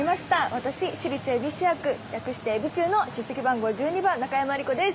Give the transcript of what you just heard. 私私立恵比寿中学略してエビ中の出席番号１２番中山莉子です。